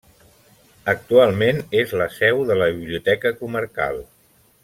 Actualment és la seu de la Biblioteca Comarcal.